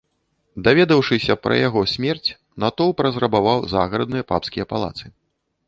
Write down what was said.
Даведаўшыся пра яго смерць, натоўп разрабаваў загарадныя папскія палацы.